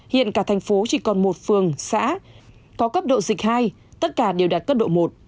hiện cả thành phố chỉ còn một phường xã có cấp độ dịch hai tất cả đều đạt cấp độ một